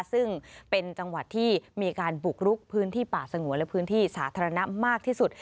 ซึ่งเป็นจังหวัดที่มีการบุกรุกพื้นที่ป่าสงวนและพื้นที่สาธารณะมากที่สุด